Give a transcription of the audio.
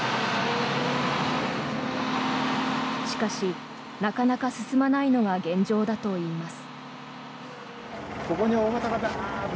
しかし、なかなか進まないのが現状だといいます。